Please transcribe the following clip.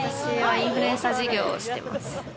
インフルエンサー事業をしてます。